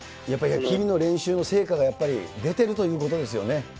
やっぱり日々の練習の成果がやっぱり出てるということですよね。